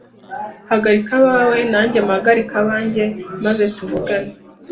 Hagarika abawe nanjye mpagarike abanjye maze tuvugane.